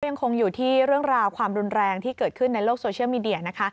ยังคงอยู่ที่เรื่องราวความรุนแรงที่เกิดขึ้นในโลกโซเชียลมีเดียนะคะ